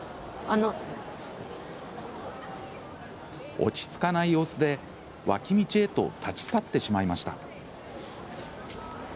落ち着かない様子で脇道へと立ち去ってしまいました。